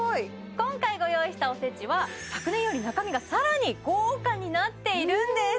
今回ご用意したおせちは昨年より中身がさらに豪華になっているんです！